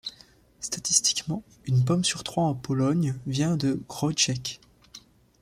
Statistiquement, une pomme sur trois en Pologne vient de Grójec.